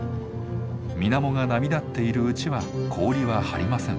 水面が波立っているうちは氷は張りません。